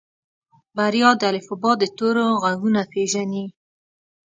بريا د الفبا د تورو غږونه پېژني.